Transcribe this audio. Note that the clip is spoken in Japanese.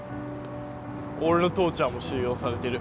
俺の父ちゃんも収容されてる。